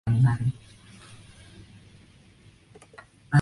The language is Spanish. Actualmente es el presidente del gobierno autónomo de las Azores.